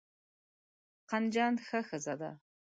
قندجان ښه ښځه ده.